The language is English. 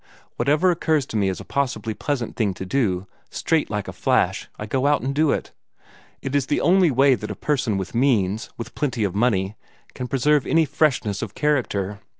Whatever occurs to me as a possibly pleasant thing to do, straight like a hash, I go and do it. It is the only way that a person with means, with plenty of money, can preserve any freshness of character.